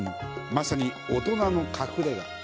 まさに大人の隠れ家。